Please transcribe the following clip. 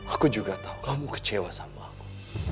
aku juga tahu kamu kecewa sama aku